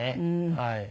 はい。